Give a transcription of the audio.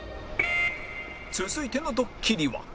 続いてのドッキリは